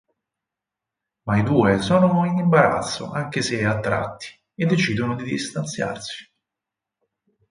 Ma i due sono in imbarazzo anche se attratti e decidono di distanziarsi.